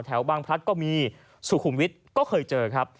แถวบางพลัดก็มีสุขุมวิทย์ก็เคยเจอครับ